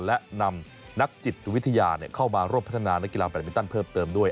และนำนักจิตวิทยาเข้ามาร่วมพัฒนานักกีฬาแบรมินตันเพิ่มเติมด้วย